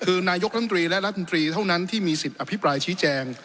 คือนายกรัฐมนตรีและรัฐมนตรีเท่านั้นที่มีสิทธิ์อภิปรายชี้แจง